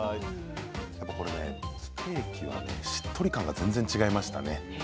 やっぱりステーキはしっとり感が全然違いましたね。